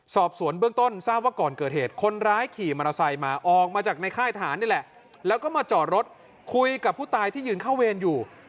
สอบสวนเบื้องต้นทราบว่าก่อนเกิดเหตุคนร้ายขี่มอเตอร์ไซค์มาออกมาจากในค่ายทหารนี่แหละแล้วก็มาจอดรถคุยกับผู้ตายที่ยืนเข้าเวรอยู่